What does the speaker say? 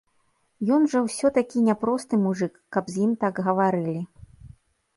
Ён жа ўсё-такі не просты мужык, каб з ім так гаварылі.